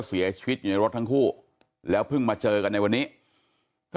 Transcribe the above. เสียชีวิตอยู่ในรถทั้งคู่แล้วเพิ่งมาเจอกันในวันนี้ก็